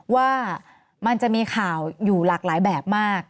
ว่ามันจะมีข่าวอยู่หลากหลายแบบมาก